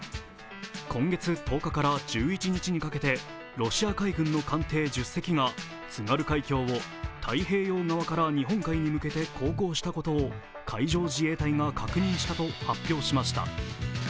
今月１０日から１１日にかけて、ロシア海軍の艦艇１０隻が津軽海峡を太平洋側から日本海に向けて航行したことを海上自衛隊が確認したと発表しました。